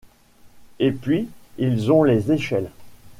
Et puis, ils ont les échelles!